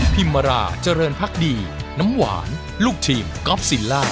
มาราเจริญพักดีน้ำหวานลูกทีมก๊อฟซิลล่า